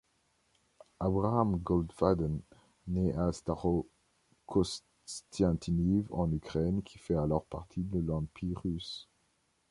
Abraham Goldfaden nait à Starokostiantyniv en Ukraine, qui fait alors partie de l'Empire russe.